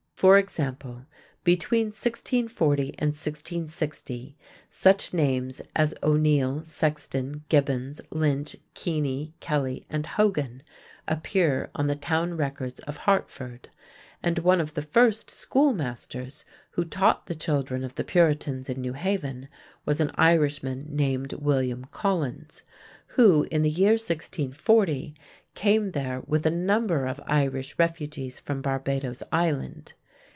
For example, between 1640 and 1660, such names as O'Neill, Sexton, Gibbons, Lynch, Keeney, Kelly, and Hogan appear on the Town records of Hartford, and one of the first schoolmasters who taught the children of the Puritans in New Haven was an Irishman named William Collins, who, in the year 1640, came there with a number of Irish refugees from Barbados Island.